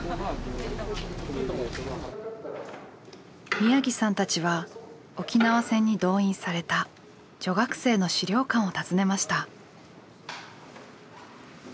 宮城さんたちは沖縄戦に動員された女学生の資料館を訪ねました。